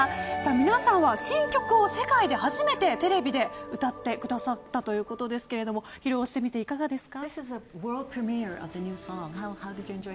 皆さんは新曲を初めてテレビで歌ってくださったということですが披露してみていかがですか。